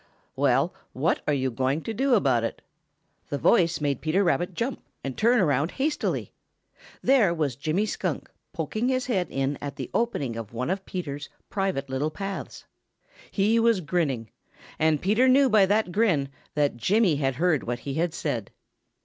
"Well, what are you going to do about it?" The voice made Peter Rabbit jump and turn around hastily. There was Jimmy Skunk poking his head in at the opening of one of Peter's private little paths. He was grinning, and Peter knew by that grin that Jimmy had heard what he had said.